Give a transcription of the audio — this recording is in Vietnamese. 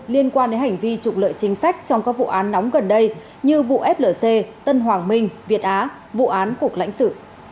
liên quan đến hành vi trục lợi chính sách trong các vụ án nóng gần đây như vụ flc tân hoàng minh việt á vụ án cục lãnh sự